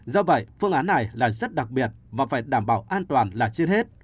do vậy phương án này là rất đặc biệt và phải đảm bảo an toàn là trên hết